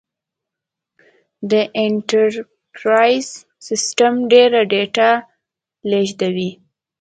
دا انټرپرایز سیسټم ډېره ډیټا لېږدوي.